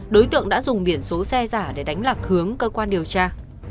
đối tượng đã dùng biển số xe giả để đánh lạc hướng cơ quan điều tra